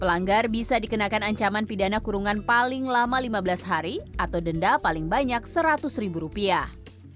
pelanggar bisa dikenakan ancaman pidana kurungan paling lama lima belas hari atau denda paling banyak seratus ribu rupiah